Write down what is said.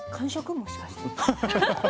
もしかして。